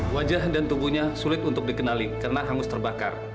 wajah dan tubuhnya sulit untuk dikenali karena hangus terbakar